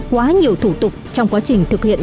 quá nhiều thủ tục trong quá trình thực hiện